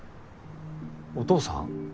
お父さん？